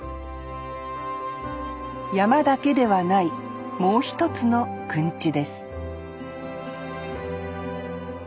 曳山だけではないもう一つのくんちです